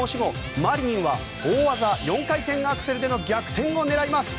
マリニンは大技４回転アクセルでの逆転を狙います。